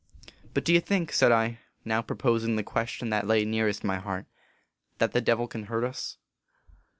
44 But do you think," said I, now proposing the question that lay nearest my heart, " that the Devil can hurt us